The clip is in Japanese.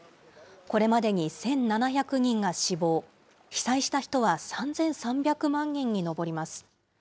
これまでに１７００人が死亡、被災した人は３３００万人に上ります。